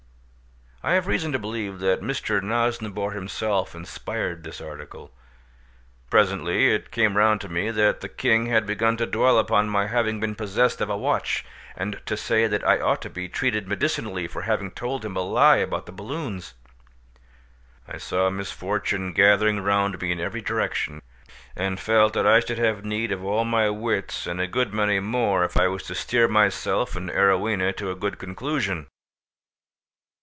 I have reason to believe that Mr. Nosnibor himself inspired this article. Presently it came round to me that the king had begun to dwell upon my having been possessed of a watch, and to say that I ought to be treated medicinally for having told him a lie about the balloons. I saw misfortune gathering round me in every direction, and felt that I should have need of all my wits and a good many more, if I was to steer myself and Arowhena to a good conclusion.